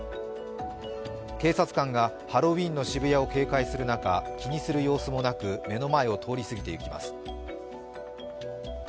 警察官がハロウィーンの渋谷を警戒する中気にする様子もなく目の前を通り過ぎていきます。